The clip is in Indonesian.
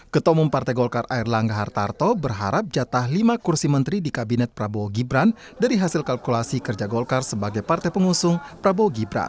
ketua umum partai golkar air langga hartarto berharap jatah lima kursi menteri di kabinet prabowo gibran dari hasil kalkulasi kerja golkar sebagai partai pengusung prabowo gibran